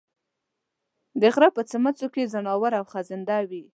د غرۀ په څمڅو کې ځناور او خزندګان وي